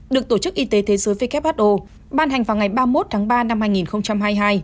được tổ chức y tế thế giới who ban hành vào ngày ba mươi một tháng ba năm hai nghìn hai mươi hai